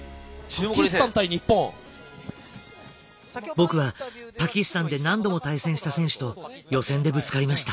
僕はパキスタンで何度も対戦した選手と予選でぶつかりました。